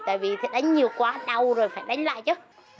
tại vì phải đánh nhiều quá đau rồi phải đánh lại chứ